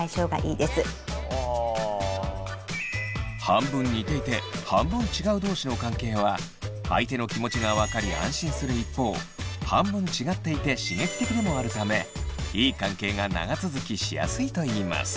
半分似ていて半分違う同士の関係は相手の気持ちが分かり安心する一方半分違っていて刺激的でもあるためいい関係が長続きしやすいといいます。